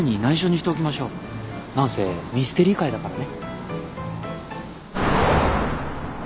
何せミステリー会だからね。